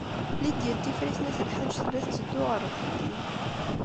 Lidya n Tifrit n At Lḥaǧ tella tetteddu ɣer uxeddim.